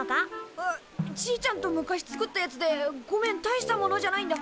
あじいちゃんと昔作ったやつでごめんたいしたものじゃないんだ。